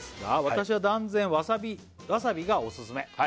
「私は断然わさびがオススメ」